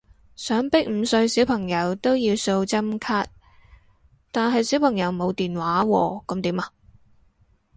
想逼五歲小朋友都要掃針卡，但係小朋友冇電話喎噉點啊？